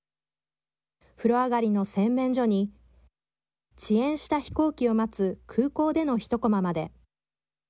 風呂上がりの洗面所に遅延した飛行機を待つ空港での一コマまで。